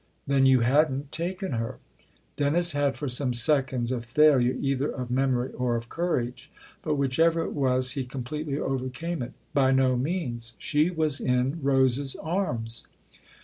" Then you hadn't taken her ?" Dennis had for some seconds a failure either of memory or of courage ; but whichever it was he completely overcame it. "By no means. She was in Rose's arms."